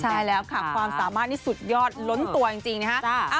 ใช่แล้วค่ะความสามารถนี่สุดยอดล้นตัวจริงนะฮะ